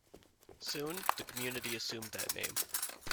Soon, the community assumed that name.